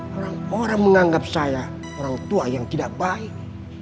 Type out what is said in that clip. orang orang menganggap saya orang tua yang tidak baik